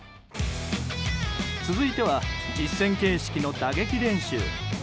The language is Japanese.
続いては実戦形式の打撃練習。